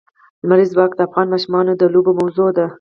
لمریز ځواک د افغان ماشومانو د لوبو موضوع ده.